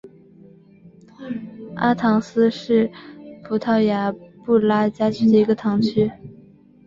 阿唐斯是葡萄牙布拉加区的一个堂区。